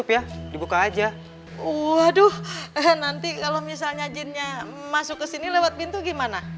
waduh nanti kalau misalnya jinnya masuk ke sini lewat pintu gimana